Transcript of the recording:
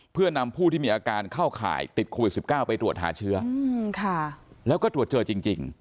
เพื่อนำผู้ที่มีอาการเข้าข่ายติดโควิด๑๙ไปตรวจหาเชื้อแล้วก็ตรวจเจอจริง